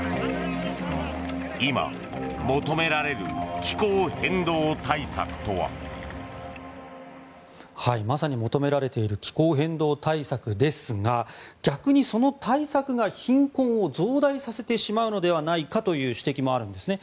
今、求められる気候変動対策とは？まさに求められている気候変動対策ですが逆にその対策が貧困を増大させてしまうのではないかという指摘もあるんですね。